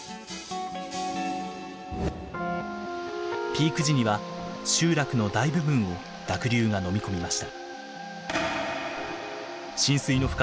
ピーク時には集落の大部分を濁流がのみ込みました。